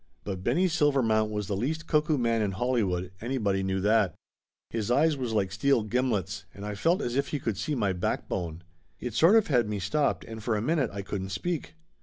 But Benny Silvermount was the least cuckoo man in Hollywood, anybody knew that. His eyes was like steel gimlets, and I felt as if he could see my backbone. It sort of had me stopped, and for a minute I couldn't speak.